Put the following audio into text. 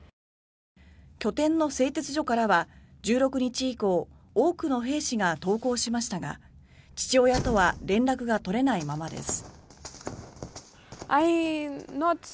拠点の製鉄所からは１６日以降多くの兵士が投降しましたが父親とは連絡が取れないままです。